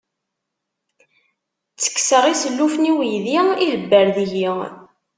Ttekkseɣ isellufen i waydi, ihebber deg-i.